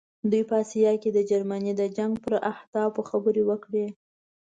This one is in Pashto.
دوی په آسیا کې د جرمني د جنګ پر اهدافو خبرې وکړې.